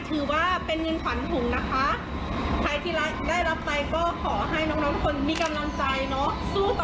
ถือว่าเป็นเงินขวัญถุงนะคะใครที่รักได้รับไปก็ขอให้น้องทุกคนมีกำลังใจเนอะสู้ต่อ